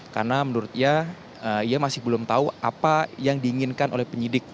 karena menurut ia ia masih belum tahu apa yang diinginkan oleh penyidik